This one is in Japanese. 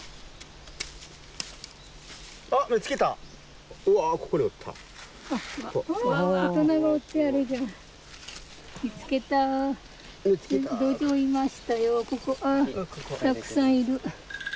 あたくさんいる。